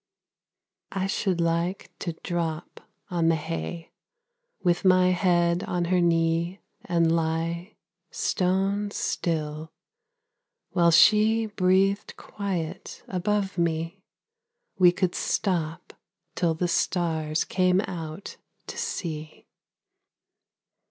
I should like to drop On the hay, with my head on her knee And lie stone still, while she Breathed quiet above me we could stop Till the stars came out to see.